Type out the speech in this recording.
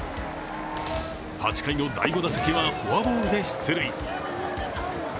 ８回の第５打席はフォアボールで出塁。